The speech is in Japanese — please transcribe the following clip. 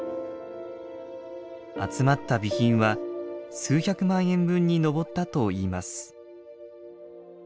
集まった備品は数百万円分に上ったといいます。